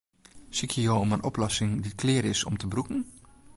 Sykje jo om in oplossing dy't klear is om te brûken?